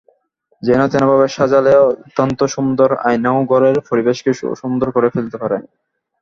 যেনতেনভাবে সাজালে অত্যন্ত সুন্দর আয়নাও ঘরের পরিবেশকে অসুন্দর করে ফেলতে পারে।